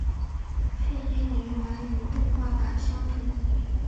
配音人员和动画版相同。